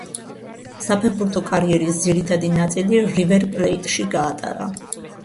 საფეხბურთო კარიერის ძირითადი ნაწილი „რივერ პლეიტში“ გაატარა.